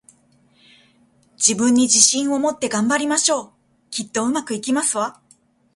自分に自信を持って、頑張りましょう！きっと、上手くいきますわ